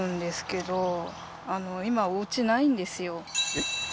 えっ？